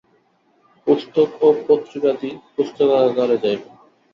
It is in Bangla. পুস্তক ও পত্রিকাদি পুস্তকাগারে যাইবে।